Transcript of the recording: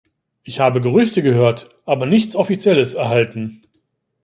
Ich habe Gerüchte gehört, aber nichts Offizielles erhalten.